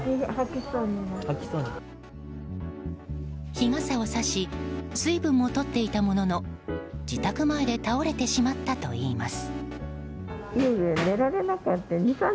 日傘をさし水分もとっていたものの自宅前で倒れてしまったといいます。